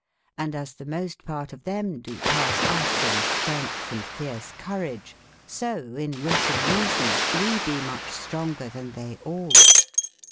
Hnd as the moste part of them do passe us in strength & fierce courage, so in wit and reason we be much stronger then they all.